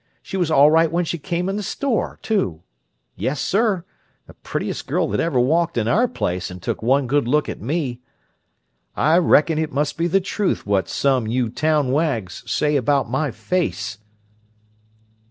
She was all right when she come in the store, too. Yes, sir; the prettiest girl that ever walked in our place and took one good look at me. I reckon it must be the truth what some you town wags say about my face!"